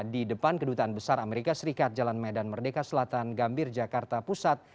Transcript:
di depan kedutaan besar amerika serikat jalan medan merdeka selatan gambir jakarta pusat